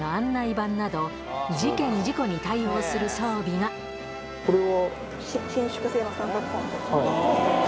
事件事故に対応する装備がこれは？